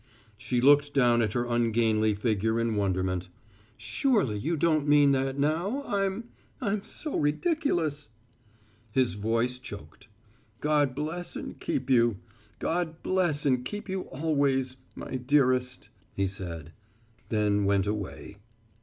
She looked down at her ungainly figure in wonderment. "Surely you don't mean that now. I'm I'm so ridiculous." His voice choked. "God bless and keep you. God bless and keep you always, my dearest," he said, then went away.